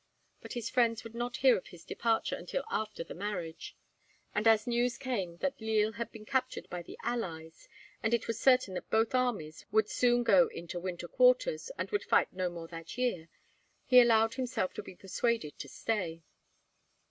But his friends would not hear of his departure until after the marriage; and as news came that Lille had been captured by the allies, and it was certain that both armies would soon go into winter quarters, and would fight no more that year, he allowed himself to be persuaded to stay.